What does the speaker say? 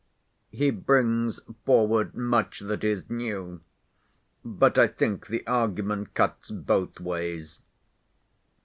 "He brings forward much that is new, but I think the argument cuts both ways.